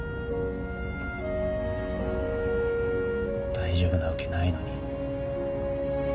大丈夫なわけないのに。